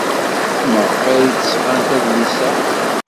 Maɣef ay d-sɣant adlis-a?